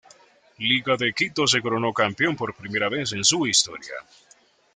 Liga de Quito se coronó campeón por primera vez en su historia.